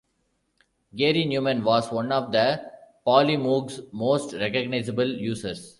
Gary Numan was one of the Polymoog's most recognizable users.